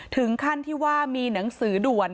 ถึงขั้นที่ว่ามีหนังสือด่วน